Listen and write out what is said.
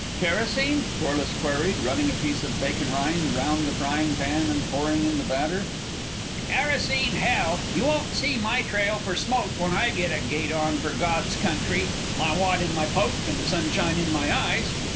"Kerosene?" Corliss queried, running a piece of bacon rind round the frying pan and pouring in the batter. "Kerosene, hell! You won't see my trail for smoke when I get a gait on for God's country, my wad in my poke and the sunshine in my eyes.